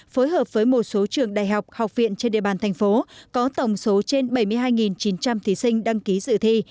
các trường đại học học viện trên địa bàn thành phố có tổng số trên bảy mươi hai chín trăm linh thí sinh đăng ký dự thi